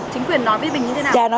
chính quyền nói với bình như thế nào